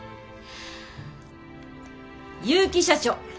結城社長。